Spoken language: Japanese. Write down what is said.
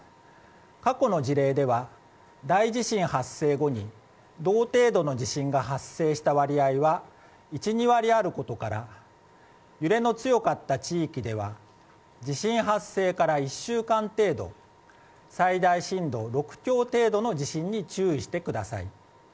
過去の事例では大地震発生後に同程度の地震が発生した割合が１２割あることから揺れの強かった地域では地震発生から１週間程度最大震度６強程度の地震に注意してください。